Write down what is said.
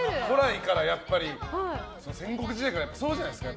戦国時代からそうじゃないですか。